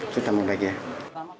sudah membagi ya